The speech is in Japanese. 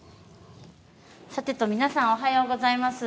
さてと皆さんおはようございます。